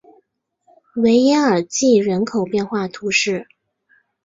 维耶尔济人口变化图示